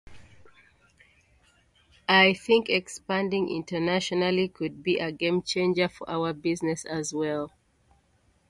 I think expanding internationally could be a game-changer for our business as well.